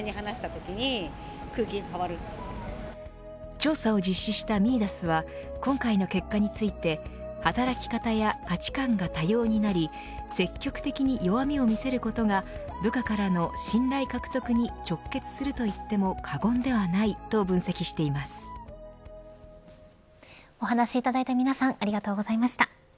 調査を実施したミイダスは今回の結果について働き方や価値観が多様になり積極的に弱みを見せることが部下からの信頼獲得に直結するといってもお話いただいた皆さんありがとうございました。